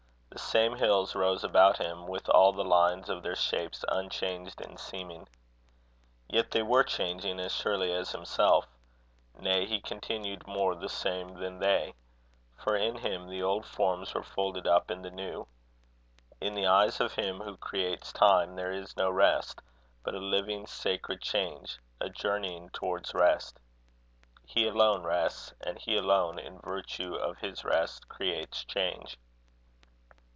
The same hills rose about him, with all the lines of their shapes unchanged in seeming. Yet they were changing as surely as himself; nay, he continued more the same than they; for in him the old forms were folded up in the new. In the eyes of Him who creates time, there is no rest, but a living sacred change, a journeying towards rest. He alone rests; and he alone, in virtue of his rest, creates change.